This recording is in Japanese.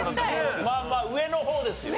まあまあ上の方ですよ。